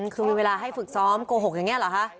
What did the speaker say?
คือมีเวลาให้ฝึกซ้อมโกหกอย่างนี้เหรอคะ